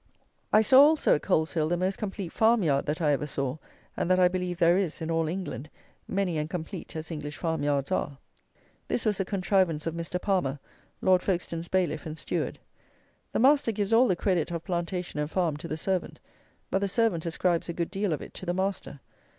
I saw also at Coleshill the most complete farmyard that I ever saw, and that I believe there is in all England, many and complete as English farmyards are. This was the contrivance of Mr. Palmer, Lord Folkestone's bailiff and steward. The master gives all the credit of plantation and farm to the servant; but the servant ascribes a good deal of it to the master.